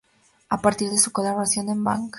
A partir de su colaboración en Bang!